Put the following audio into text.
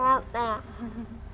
rafael ya yang tadi ya